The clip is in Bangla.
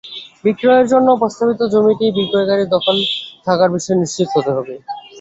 বিক্রয়ের জন্য প্রস্তাবিত জমিটি বিক্রয়কারীর দখলে থাকার বিষয়ে নিশ্চিত হতে হবে।